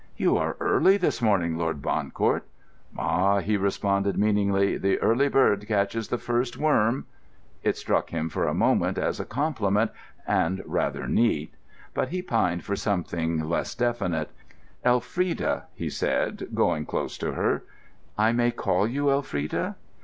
"You are early this morning, Lord Bancourt." "Ah," he responded meaningly, "the early bird catches the first worm." It struck him, for the moment, as a compliment, and rather neat. But he pined for something less indefinite. "Elfrida," he said, going close to her, "I may call you Elfrida?